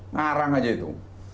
ngarang aja itu